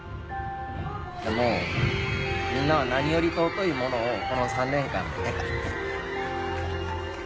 でもみんなは何より尊いものをこの３年間で得た。